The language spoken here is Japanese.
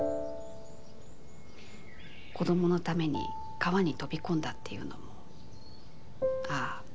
子どものために川に飛び込んだっていうのもああ